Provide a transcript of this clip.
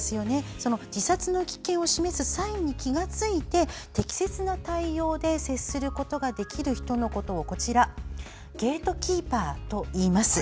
その自殺の危険を示すサインに気が付いて適切な対応で接することができる人のことをゲートキーパーといいます。